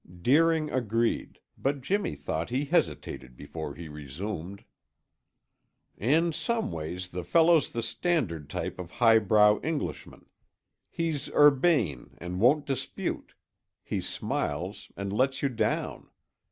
Deering agreed, but Jimmy thought he hesitated before he resumed: "In some ways, the fellow's the standard type of highbrow Englishman. He's urbane and won't dispute; he smiles and lets you down.